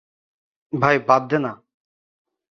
ভাই, বাদ দে না।